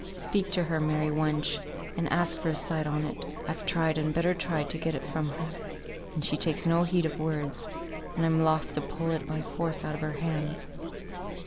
Speak to her, Mary, wench, and ask for a sight on it; I've tried, and better tried to get it from her, and she takes no heed of words, and I'm loth to pull it by force out of her hands."